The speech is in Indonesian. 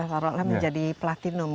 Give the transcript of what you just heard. seharusnya menjadi platinum